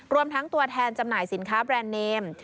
รวมทั้งตัวแทนจำหน่ายสินค้าแบรนด์เนม